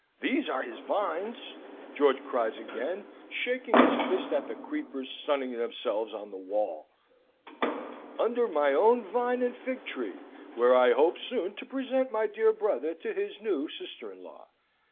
These are his vines," George cries again, shaking his fist at the creepers sunning themselves on the wall. "... Under my own vine and fig tree; where I hope soon to present my dear brother to his new sister in law.